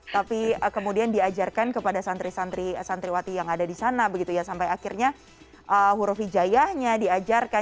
tapi kemudian diajarkan kepada santri santri santriwati yang ada di sana begitu ya sampai akhirnya huruf hijayanya diajarkan